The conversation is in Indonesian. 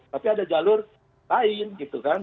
tapi ada jalur lain gitu kan